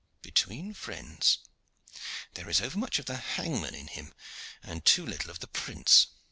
Between friends, there is overmuch of the hangman in him, and too little of the prince.